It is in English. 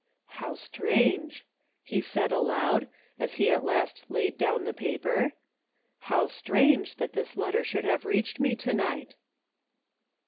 " How strange !" he said aloud, as he at last laid down the paper, '* how strange that this letter should have reached me to night